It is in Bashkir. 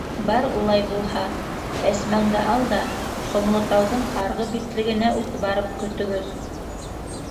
— Бар улай булһа, Әсмәңде ал да, Ҡомлотауҙың арғы битлегенә үк барып көтөгөҙ.